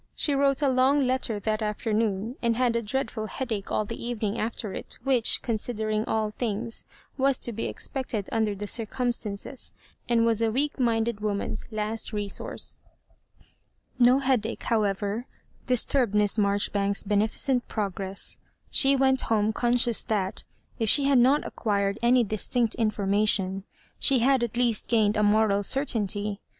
She wrote a long letter that after noon, and had a dreadful headache all the even .ing after it, which, considering all things, was to be expected under the drcumstances, and was a , weak minded woman's last resourca y No headache, however, disturbed Mias Maijori banks's beneficent progresa She went home conscious that, if she hwl not acquired any dis' tinct information, she had at least gained a moral certainty.